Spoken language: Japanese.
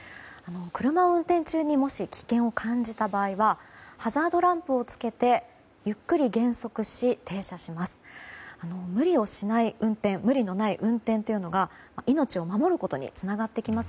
車を運転中にもし危険を感じた場合はハザードランプをつけてゆっくり減速し、停車します。